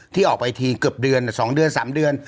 ที่ออกไปทีเกือบเดือน๒เดือน๓เดือน